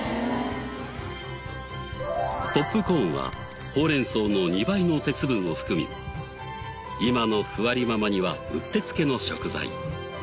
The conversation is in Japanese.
ポップコーンはほうれん草の２倍の鉄分を含み今のふわりママにはうってつけの食材。